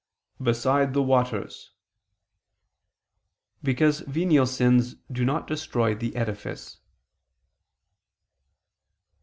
"beside the waters": because venial sins do not destroy the edifice.